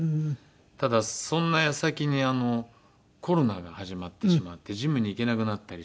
ただそんな矢先にコロナが始まってしまってジムに行けなくなったりしたんで。